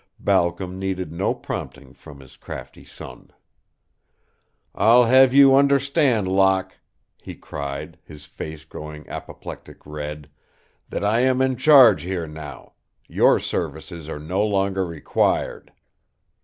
Balcom needed no prompting from his crafty son. "I'll have you understand, Locke," he cried, his face growing apoplectic red, "that I am in charge here now. Your services are no longer required."